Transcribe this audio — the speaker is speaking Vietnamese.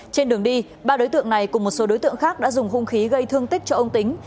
trên đường đi ba đối tượng này cùng một số đối tượng khác đã dùng hung khí gây thương tích cho ông tính